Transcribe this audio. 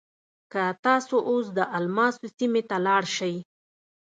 که تاسو اوس د الماسو سیمې ته لاړ شئ.